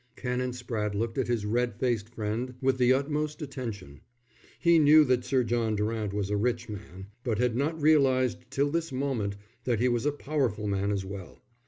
Canon Spratte looked at his red faced friend with the utmost attention. He knew that Sir John Durant was a rich man, but had not realized till this moment that he was a powerful man as well.